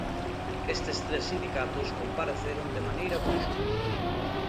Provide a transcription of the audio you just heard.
Estes tres sindicatos compareceron de maneira conxunta.